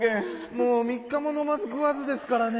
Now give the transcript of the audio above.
もう３日ものまずくわずですからね。